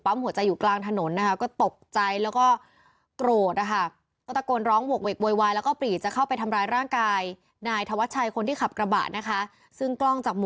ป้องหัวใจอยู่กลางถนนนะก็ตกใจแล้วก็โกรธนะคะตะกนร้องหวกเวกโบร้อยแล้วก็ปลีกจะเข้าไปทำร้ายร่างกายหลายทวชัยคนที่ขับกระบะนะคะซึ่งกล้องจับ